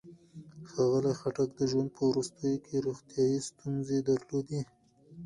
ښاغلي خټک د ژوند په وروستیو کې روغتيايي ستونزې درلودې.